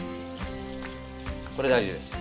これ大事です。